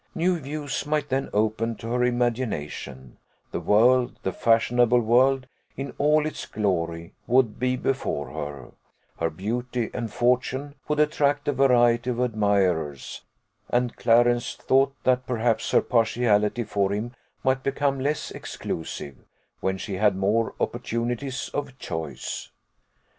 New views might then open to her imagination: the world, the fashionable world, in all its glory, would be before her; her beauty and fortune would attract a variety of admirers, and Clarence thought that perhaps her partiality for him might become less exclusive, when she had more opportunities of choice.